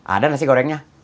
ada nasi gorengnya